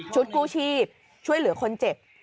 กู้ชีพช่วยเหลือคนเจ็บ